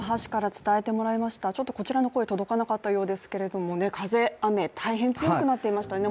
こちらの声、届かなかったようですけども、風、雨大変強くなっていましたね。